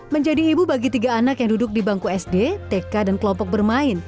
menjadi ibu bagi tiga anak yang duduk di bangku sd tk dan kelompok bermain